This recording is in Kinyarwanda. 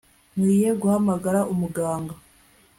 Nkwiye guhamagara umuganga